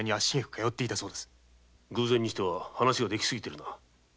偶然にしては話が出来過ぎているな。